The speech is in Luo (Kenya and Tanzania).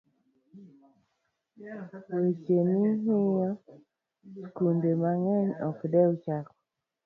Wachni miyo skunde mang'eny ok dew chako